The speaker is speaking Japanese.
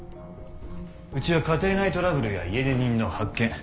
うちは家庭内トラブルや家出人の発見。